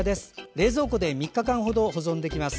冷蔵庫で３日間ほど保存できます。